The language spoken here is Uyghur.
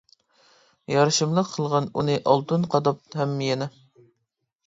يارىشىملىق قىلغان ئۇنى ئالتۇن قاداپ ھەم يەنە.